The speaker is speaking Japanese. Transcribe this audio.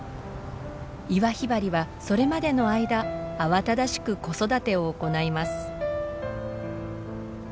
イワヒバリはそれまでの間慌ただしく子育てを行います。